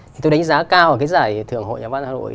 thì tôi đánh giá cao ở cái giải thưởng hội nhà văn hội